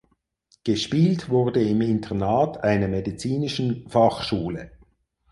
Gespielt wurde im Internat einer Medizinischen Fachschule.